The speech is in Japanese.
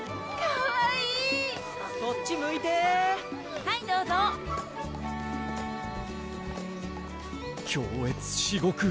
かわいいこっち向いてはいどうぞ恐悦至極！